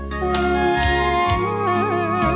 แสงนี่อ่อน